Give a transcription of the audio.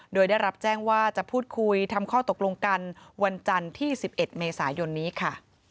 โดยได้รับแจ้งว่าจะพูดคุยทำข้อตกลงกันวันจันทร์ที่๑๑เมษายนนี้ค่ะ